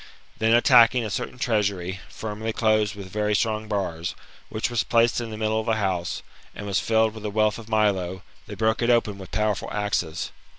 Then attacking a certain treaaiury, firmly closed with very strong bars, which was placed in the middle of the house, and was filled with the wealth of Milo, they broke it open with powerful axes.